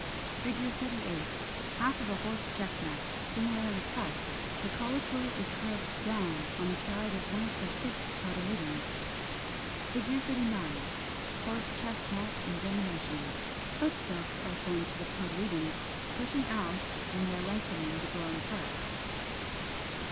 ] [Illustration: Fig. 38. Half of a horse chestnut, similarly cut; the caulicle is curved down on the side of one of the thick cotyledons. 39. Horse chestnut in germination; foot stalks are formed to the cotyledons, pushing out in their lengthening the growing parts.